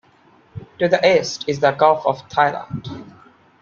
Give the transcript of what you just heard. To the east is the Gulf of Thailand.